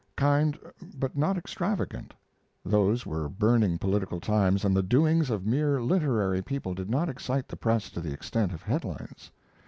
[Kind but not extravagant; those were burning political times, and the doings of mere literary people did not excite the press to the extent of headlines.